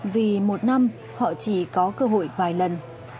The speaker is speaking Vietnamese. vì một năm họ chỉ có cơ hội vài lần